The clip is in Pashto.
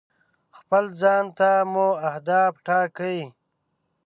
خپل ځان ته مو اهداف ټاکئ.